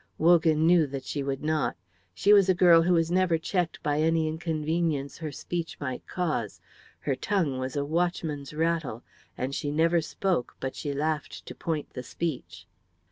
Wogan knew that she would not. She was a girl who was never checked by any inconvenience her speech might cause. Her tongue was a watchman's rattle, and she never spoke but she laughed to point the speech.